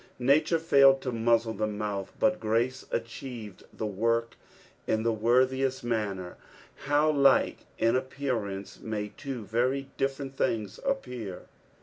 Nature failed to mu/.zle the mouili, but grace achieved the work in the worthiest manner. How like in appearance may two very different things appear